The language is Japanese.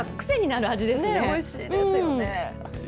おいしいですよね。